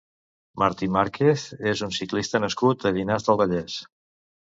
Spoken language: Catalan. Martí Márquez és un ciclista nascut a Llinars del Vallès.